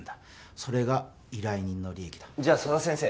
それが依頼人の利益だじゃあ佐田先生